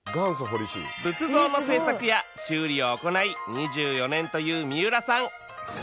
仏像の製作や修理を行い２４年という三浦さん